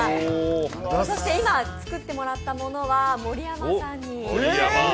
そして今、作ったものは盛山さんに。